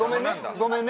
ごめんね。